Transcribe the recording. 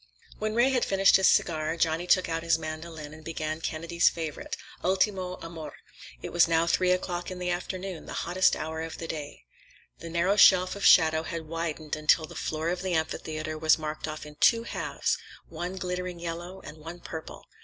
When Ray had finished his cigar, Johnny took his mandolin and began Kennedy's favorite, "Ultimo Amor." It was now three o'clock in the afternoon, the hottest hour in the day. The narrow shelf of shadow had widened until the floor of the amphitheater was marked off in two halves, one glittering yellow, and one purple.